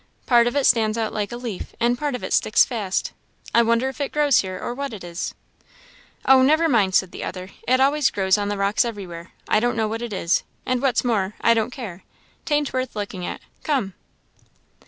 part of it stands out like a leaf, and part of it sticks fast; I wonder if it grows here, or what it is." "Oh, never mind," said the other; "it always grows on the rocks everywhere; I don't know what it is and what's more, I don't care. 'Tain't worth looking at. Come!"